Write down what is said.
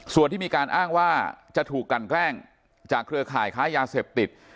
ส่วนที่มีการอ้างว่าจะถูกกันแกล้งจากเครือข่ายค้ายาเสพติด